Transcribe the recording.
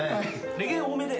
レゲエ多めで。